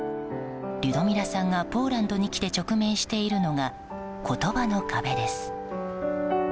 リュドミラさんがポーランドに来て直面しているのが言葉の壁です。